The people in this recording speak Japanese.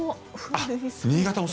新潟も。